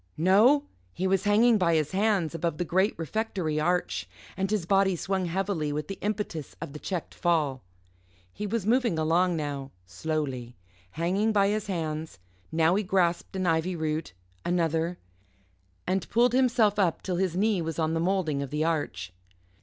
No he was hanging by his hands above the great refectory arch, and his body swung heavily with the impetus of the checked fall. He was moving along now, slowly hanging by his hands; now he grasped an ivy root another and pulled himself up till his knee was on the moulding of the arch.